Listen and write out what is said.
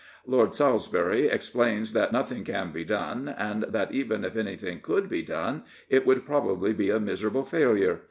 " Lord Salisbury explains that nothing can be done, and that, even if anything could be done, it would prob ably be a miserable failure.